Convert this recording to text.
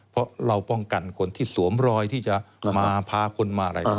เพราะเราป้องกันคนที่สวมรอยที่จะมาพาคนมาอะไร